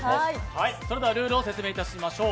ルールを説明いたしましょう。